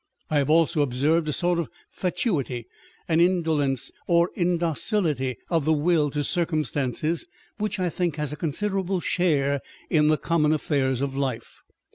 I have also observed a sort of fatuity, an indolence or indocility of the will to circumstances, which I think has a consider able share in the common affairs of life.